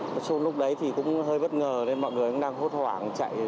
nói chung lúc đấy thì cũng hơi bất ngờ nên mọi người cũng đang hốt hoảng chạy